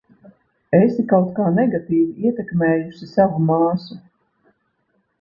Esi kaut kā negatīvi ietekmējusi savu māsu.